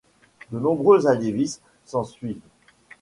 De nombreux alévis s'en suivent.